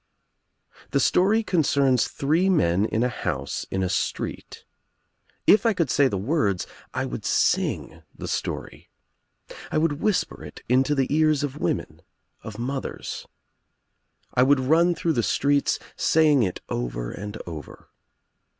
The story concerns three men in a house in a street. If I could say the words I would sing the story. I would whisper it into the ears of women, of mothers. I would run through the streets saying it over and over.